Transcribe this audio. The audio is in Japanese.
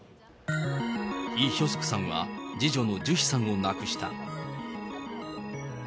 イ・ヒョスクさんは、次女のジュヒさんを亡くした。